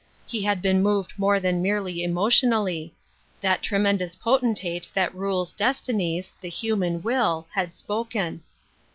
He had been moved more than merely emotionally ; that tremendous potentate that rules destinies — the human will — had spoken.